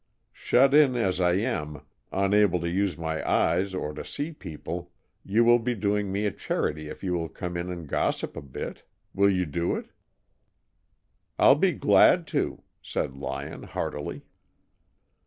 Shut in as I am, unable to use my eyes or to see people, you will be doing me a charity if you will come in and gossip a bit. Will you do it?" "I'll be glad to," said Lyon, heartily.